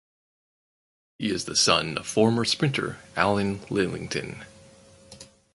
He is the son of former sprinter Alan Lillington.